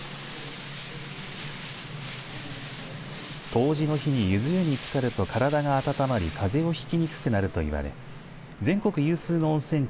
冬至の日にゆず湯につかると体が温まりかぜをひききにくくなるといわれ全国有数の温泉地